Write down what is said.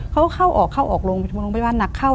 เขาก็เข้าออกโรงพยาบาล